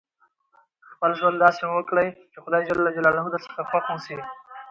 خپل ژوند داسي وکړئ، چي خدای جل جلاله درڅخه خوښ اوسي.